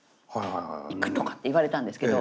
「行くとか」って言われたんですけど。